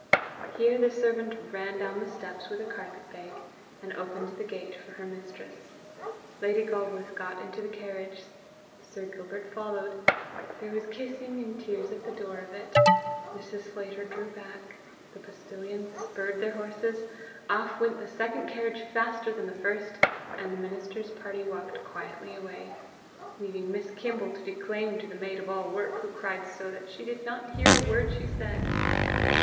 Here the servant ran down the steps with a carpet bag, and opened the gate for her mistress. Lady Galbraith got into the carriage; Sir Gilbert followed; there was kissing and tears at the door of it; Mrs. Sclater drew back; the postilions spurred their horses; off went the second carriage faster than the first; and the minister's party walked quietly away, leaving Miss Kimble to declaim to the maid of all work, who cried so that she did not hear a word she said.